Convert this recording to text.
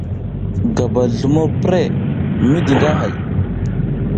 Gabal zlumo prəh, midi nga hay.